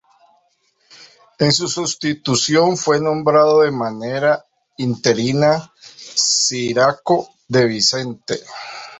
En su sustitución fue nombrado de manera interina, Ciriaco de Vicente.